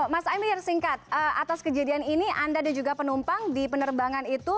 mas amir singkat atas kejadian ini anda dan juga penumpang di penerbangan itu